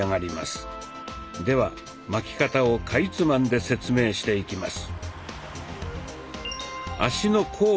では巻き方をかいつまんで説明していきます。